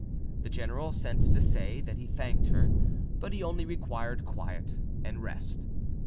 The general sent to say that he thanked her, but he only required quiet and rest.